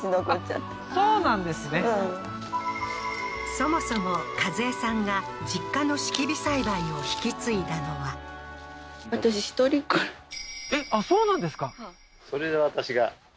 そもそも一江さんが実家の櫁栽培を引き継いだのはあっそうなんですか